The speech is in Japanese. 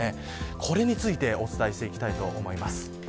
これについてお伝えしたいと思います。